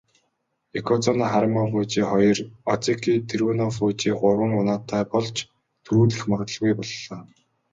Ёкозүна Харүмафүжи хоёр, озеки Тэрүнофүжи гурван унаатай болж түрүүлэх магадлалгүй боллоо.